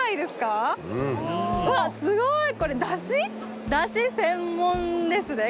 うわすごいこれだし⁉だし専門ですね